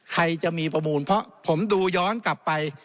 ใครจะมีประมูลเพราะผมดูย้อนกลับไป